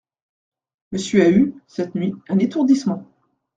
Monsieur a eu, cette nuit, un étourdissement.